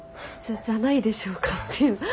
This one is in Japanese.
「じゃないでしょうか」っていう。